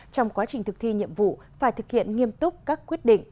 trong quá trình thực thi nhiệm vụ phải thực hiện nghiêm túc các quyết định